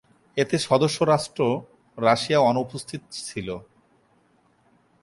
এতে সদস্য রাষ্ট্র রাশিয়া অনুপস্থিত ছিল।